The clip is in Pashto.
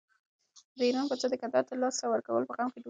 د ایران پاچا د کندهار د لاسه ورکولو په غم کې ډوب و.